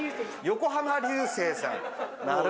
横浜流星さん